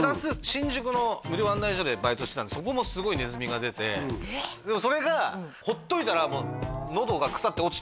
新宿の無料案内所でバイトしてたんでそこもすごいネズミが出てでもそれが放っといたらもうええっ